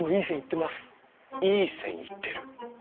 いい線いってる？